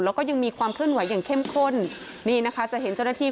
แล้วก็ยังมีความเคลื่อนไหวอย่างเข้มข้นนี่นะคะจะเห็นเจ้าหน้าที่